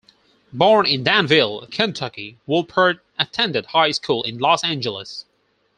Born in Danville, Kentucky, Woolpert attended high school in Los Angeles.